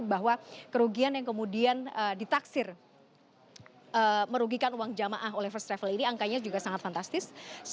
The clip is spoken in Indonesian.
bahwa kerugian yang kemudian ditaksir merugikan uang jamaah oleh first travel ini angkanya juga sangat fantastis